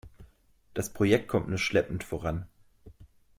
Das Projekt kommt nur schleppend voran.